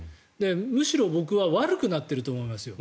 むしろ僕は悪くなってると思いますよ。